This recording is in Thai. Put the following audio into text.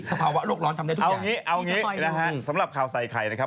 ภาวะโลกร้อนทำได้ทุกอย่างเอาอย่างนี้นะฮะสำหรับข่าวใส่ไข่นะครับ